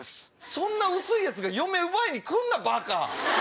そんな薄い奴が嫁奪いに来るなバカ！